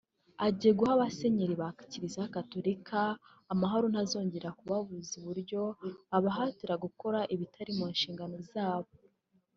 Agiye guha abasenyeri ba Kiliziya Gatolika amahoro ntazongere kubabuza uburyo abahatira gukora ibitari mu nshingano zabo